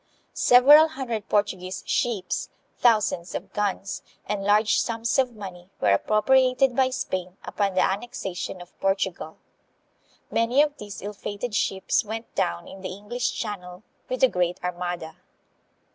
Several hundred Portu guese ships, thousands of guns, and large sums of money were appropriated by Spain upon the annexation of Por tugal. 1 Many of these ill fated ships went down in the English Channel with the Great Armada.